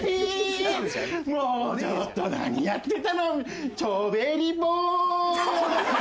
もうちょっと何やってたのチョベリぽ！